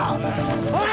おい！